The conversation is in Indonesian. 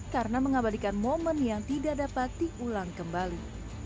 karena mengabadikan momen yang tidak dapat diulang kembali